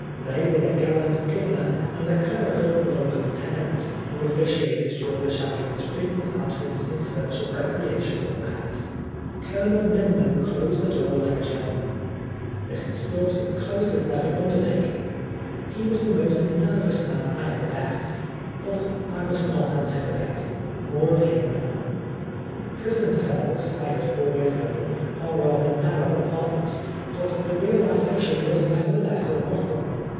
They were the gallant Governor and a clerical locum tenens who officiated during the chaplain's frequent absence in search of recreation or health. Colonel Milman closed the door like a gentleman. Mr. Stubbs closed it like an under NEWGATE. 87 ta^er. He was the most nervous man I ever met* Bat I mnst not anticipate. More of him anon. Prison cells, I had always known, are rather narrow apartments, bnt the realisation was nevertheless a rough one.